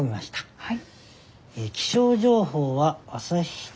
はい。